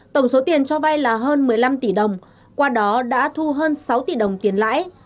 tổng số tiền cho vay là hơn một mươi năm tỷ đồng qua đó đã thu hơn sáu tỷ đồng tiền lãi